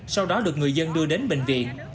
sau đó được người dân đưa đến bệnh viện